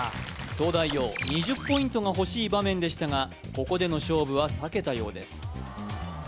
東大王２０ポイントが欲しい場面でしたがここでの勝負は避けたようです